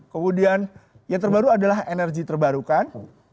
kemudian yang terbaru adalah energi terbarukan